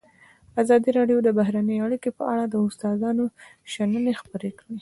ازادي راډیو د بهرنۍ اړیکې په اړه د استادانو شننې خپرې کړي.